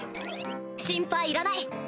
心配いらない！